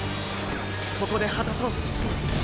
ここで果たそう。